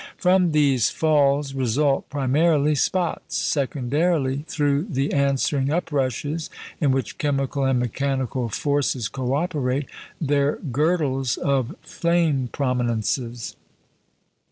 From these falls result, primarily, spots; secondarily, through the answering uprushes in which chemical and mechanical forces co operate, their girdles of flame prominences.